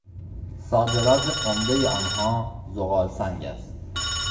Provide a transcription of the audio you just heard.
صادرات عمدهی آنها زغالسنگ است.